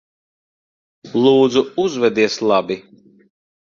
Lūdzu, uzvedies labi.